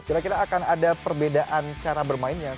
kira kira akan ada perbedaan cara bermainnya